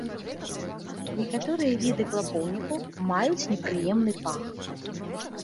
Некаторыя віды клапоўніку маюць непрыемны пах.